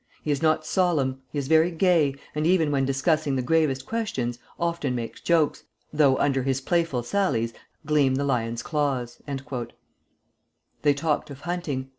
He is not solemn. He is very gay, and even when discussing the gravest questions often makes jokes, though under his playful sallies gleam the lion's claws." They talked of hunting.